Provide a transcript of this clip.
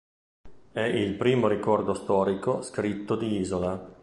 È il primo ricordo storico, scritto di Isola.